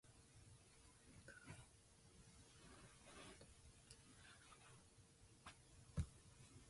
The area is hilly, with mountains of modest size.